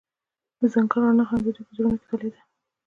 د ځنګل رڼا هم د دوی په زړونو کې ځلېده.